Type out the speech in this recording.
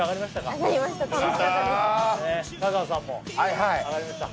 香川さんも上がりました？